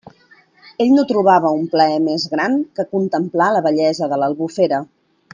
Ell no trobava un plaer més gran que contemplar la bellesa de l'Albufera.